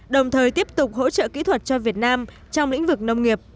đồng thời tiếp tục hỗ trợ kỹ thuật cho việt nam trong lĩnh vực nông nghiệp